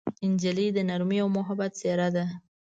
نجلۍ د نرمۍ او محبت څېره ده.